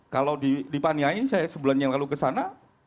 kalau dipaniai saya sebulan yang lalu kesana